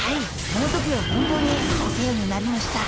あの時は本当にお世話になりました。